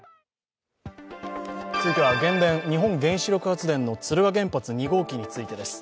続いては原電＝日本原子力発電の敦賀原発２号機についてです。